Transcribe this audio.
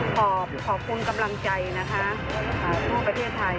โปรดติดตามตอนต่อไป